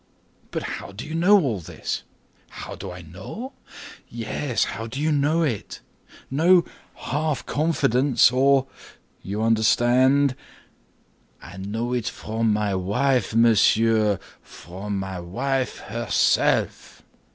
"But how do you know all this?" "How do I know it?" "Yes, how do you know it? No half confidence, or—you understand!" "I know it from my wife, monsieur—from my wife herself."